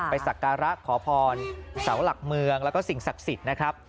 สักการะขอพรเสาหลักเมืองแล้วก็สิ่งศักดิ์สิทธิ์นะครับ